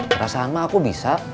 percaya sama aku bisa